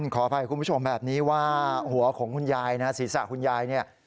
ขออภัยคุณผู้ชมแบบนี้ว่าหัวของคุณยายนะศีรษะคุณยายเนี่ย